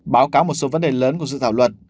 báo cáo một số vấn đề lớn của dự thảo luật